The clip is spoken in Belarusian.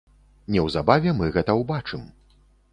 Неўзабаве мы гэта убачым.